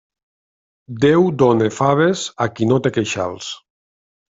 Déu dóna faves a qui no té queixals.